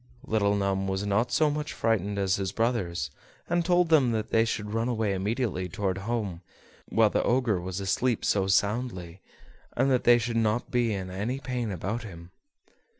Little Thumb was not so much frightened as his brothers, and told them that they should run away immediately toward home while the Ogre was asleep so soundly, and that they should not be in any pain about him.